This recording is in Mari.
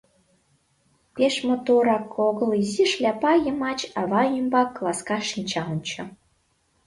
Пеш моторак огыл изи шляпа йымач ава ӱмбак ласка шинча онча.